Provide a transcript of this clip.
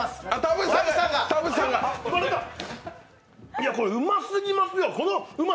いやこれ、うますぎますよ。